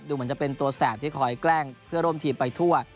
เหมือนจะเป็นตัวแสบที่คอยแกล้งเพื่อร่วมทีมไปทั่ว